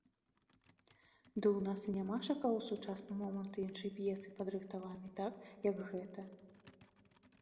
Ды ў нас і нямашака ў сучасны момант іншай п'есы, падрыхтаванай так, як гэта.